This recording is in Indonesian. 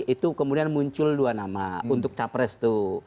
itu kemudian muncul dua nama untuk capres itu